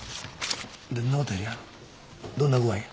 そんなことよりなどんな具合や？